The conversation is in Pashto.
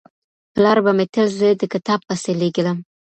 پلار به مې تل زه د کتاب پسې لېږلم.